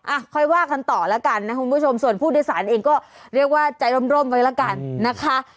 อ่ะค่อยว่ากันต่อแล้วกันนะคุณผู้ชมส่วนผู้โดยสารเองก็เรียกว่าใจร่มร่มไว้แล้วกันนะคะ